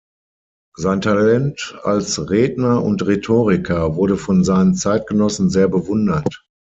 Sein Talent als Redner und Rhetoriker wurde von seinen Zeitgenossen sehr bewundert.